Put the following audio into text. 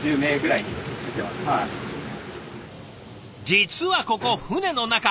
実はここ船の中。